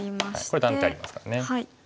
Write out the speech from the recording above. これ断点ありますからね。